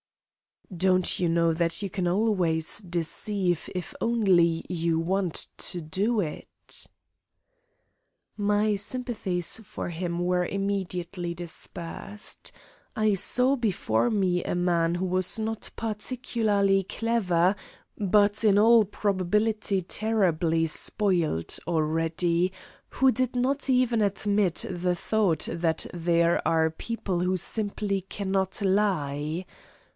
"Don't you know that you can always deceive if only you want to do it?" My sympathies for him were immediately dispersed. I saw before me a man who was not particularly clever, but in all probability terribly spoiled already, who did not even admit the thought that there are people who simply cannot lie.